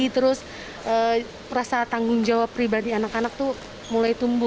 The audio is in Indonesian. terus rasa tanggung jawab pribadi anak anak itu mulai tumbuh